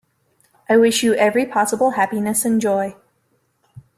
I wish you every possible happiness and joy.